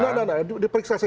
tidak tidak tidak diperiksa saja